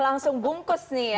langsung bungkus nih ya